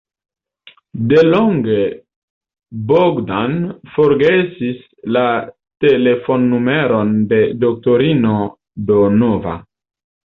Delonge Bogdan forgesis la telefonnumeron de doktorino Donova.